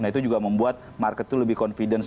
nah itu juga membuat market itu lebih confidence